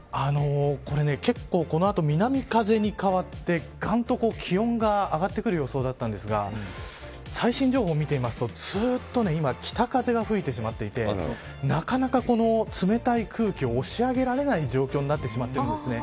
結構、この後南風に変わってがんと気温が上がってくる様子だったんですが最新情報を見てみるとずっと今北風が吹いてしまっていてなかなか冷たい空気を押し上げられない状況になってしまっているんですね。